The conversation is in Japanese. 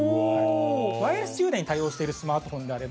ワイヤレス充電に対応しているスマートフォンであれば。